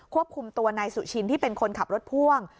ควบคุมตัวนายสุชินที่เป็นคนขับรถพ่วง